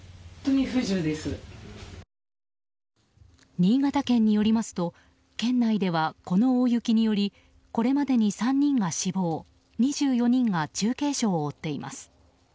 新潟県によりますと県内では、この大雪によりこれまでに３人が死亡２４人が重軽傷を負っています。